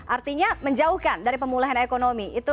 artinya menjauhkan dari pemulihan ekonomi